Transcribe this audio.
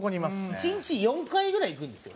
１日４回ぐらい行くんですよ。